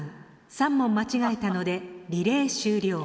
３問間違えたのでリレー終了。